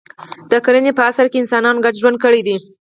د کرنې په عصر کې انسانانو ګډ ژوند کړی دی.